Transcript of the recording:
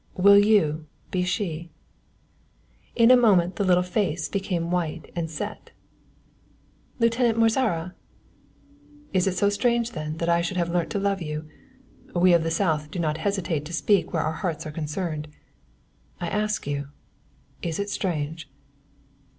Will you be she?" In a moment the little face became white and set. "Lieutenant Mozara!" "Is it so strange, then, that I should have learnt to love you? We of the South do not hesitate to speak where our hearts are concerned. I ask you, is it strange?"